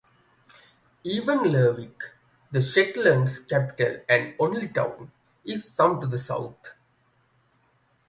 Even Lerwick, the Shetland's capital and only town, is some to the south.